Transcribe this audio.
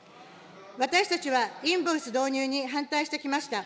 私たちはインボイス導入に反対してきました。